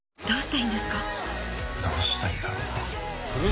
どうしたいんだろうな。